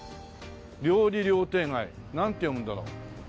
料理料亭街なんて読むんだろう。